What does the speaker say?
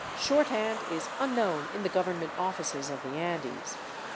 Shorthand is unknown in the govern ment offices of the Andes.